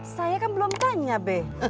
saya kan belum tanya b